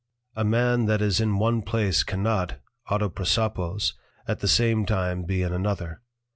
A Man that is in one place cannot (Autoprosopos) at the same time be in another.